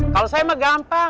kalau saya mah gampang